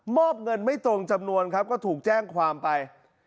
อบเงินไม่ตรงจำนวนครับก็ถูกแจ้งความไป